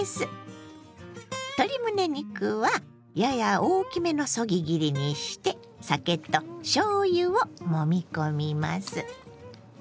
鶏むね肉はやや大きめのそぎ切りにして酒としょうゆをもみ込みます。